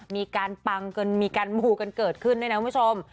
ปังกันมีการมูกันเกิดขึ้นด้วยนะคุณผู้ชม